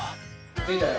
着いたよ。